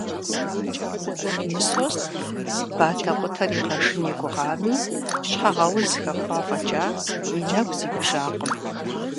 Мысост батэкъутэр игъэшын и гугъами, щхьэгъэуз хэхуа фӀэкӀа, и нэгу зиужьакъым.